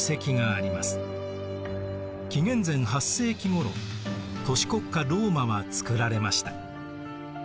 紀元前８世紀ごろ都市国家ローマはつくられました。